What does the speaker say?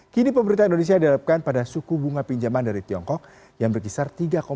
kini pemerintah indonesia dihadapkan pada suku bunga pinjaman dari tiongkok yang berkisar tiga empat